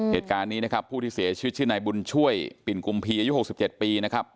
เหตุการณ์นี้นะครับผู้ที่เสียชีวิตชื่อนายบุญช่วยปิ่นกุมพีอายุ๖๗ปีนะครับ